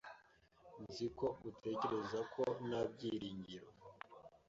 Nzi ko utekereza ko nta byiringiro.